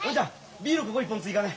ビールここ１本追加ね。